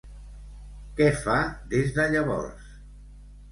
Què fa des de llavors?